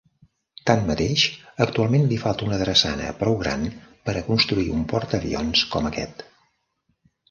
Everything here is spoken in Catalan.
Tanmateix, actualment li falta una drassana prou gran per a construir un portaavions com aquest.